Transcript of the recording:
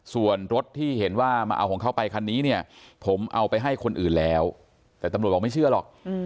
ส่วนรถที่เห็นว่ามาเอาของเขาไปคันนี้เนี่ยผมเอาไปให้คนอื่นแล้วแต่ตำรวจบอกไม่เชื่อหรอก